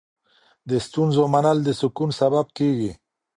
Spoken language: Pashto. د ستونزو منل د سکون سبب کېږي.